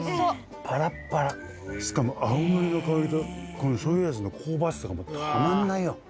しかも青のりの香りとこのしょうゆ味の香ばしさがもうたまんないよ。